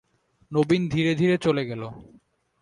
নবীন ধীরে ধীরে চলে গেল।